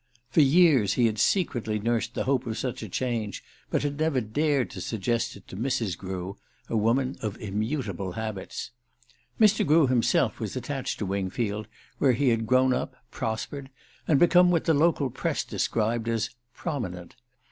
For years he had secretly nursed the hope of such a change, but had never dared to suggest it to Mrs. Grew, a woman of immutable habits. Mr. Grew himself was attached to Wingfield, where he had grown up, prospered, and become what the local press described as "prominent."